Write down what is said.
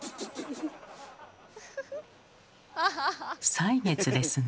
歳月ですね。